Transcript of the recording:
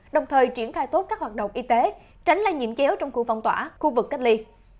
đồng thời triển khai tốt các hoạt động y tế tránh lây nhiễm chéo trong khu phong tỏa khu vực cách ly